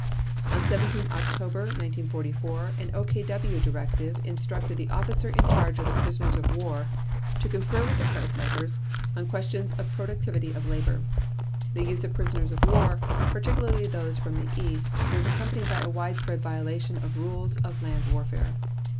On 17 October 1944 an OKW directive instructed the officer in charge of the prisoners of war to confer with the Kreisleiters on questions of the productivity of labor. The use of prisoners of war, particularly those from the East, was accompanied by a widespread violation of rules of land warfare.